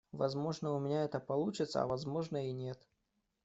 Возможно, у меня это получится, а возможно, и нет.